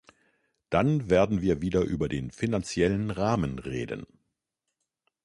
Dann werden wir wieder über den finanziellen Rahmen reden.